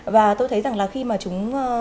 và tôi thấy rằng là khi mà chúng